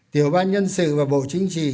tiểu ban nhân sự và bộ chính trị